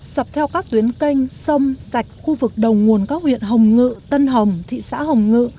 sập theo các tuyến canh sông sạch khu vực đầu nguồn các huyện hồng ngự tân hồng thị xã hồng ngự